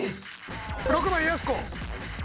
６番やす子。